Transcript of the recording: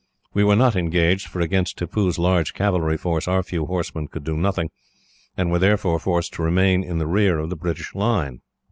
We were not engaged, for against Tippoo's large cavalry force our few horsemen could do nothing, and were therefore forced to remain in the rear of the British line.